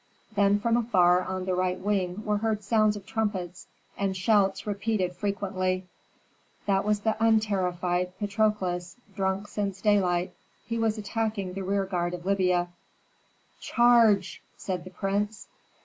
Then from afar on the right wing were heard sounds of trumpets, and shouts repeated frequently. That was the unterrified Patrokles; drunk since daylight, he was attacking the rear guard of Libya. "Charge!" said the prince.